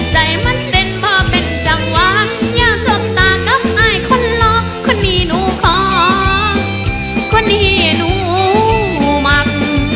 ใจมันเด่นเพราะเป็นจังหวะอยากสดตากับไอคนล้อคนนี้หนูพอคนนี้หนูมัก